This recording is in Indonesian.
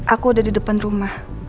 aku ada di depan rumah